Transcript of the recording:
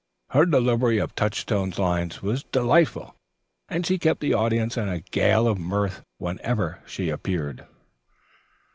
Her delivery of Touchstone's lines was delightful and she kept the audience in a gale of mirth whenever she appeared.